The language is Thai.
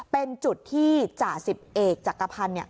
เป็นจุดที่จ่า๑๑จักรพันธุ์เนี่ย